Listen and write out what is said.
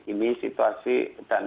ini situasi dan